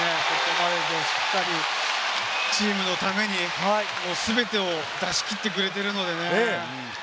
しっかりチームのために全てを出し切ってくれているのでね。